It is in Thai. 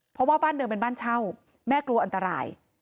เพราะว่าบ้านเดิมเป็นบ้านเช่าแม่กลัวอันตราย